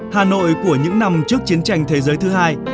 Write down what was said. hà nội của những năm trước chiến tranh thế giới thứ hai